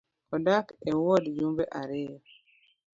Odak e wuod jumbe ariyo